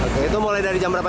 oke itu mulai dari jam berapa